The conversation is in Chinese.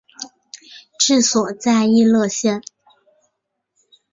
治所在溢乐县。